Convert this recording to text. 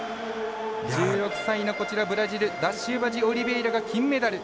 １６歳のブラジルダシウバジオリベイラが金メダル。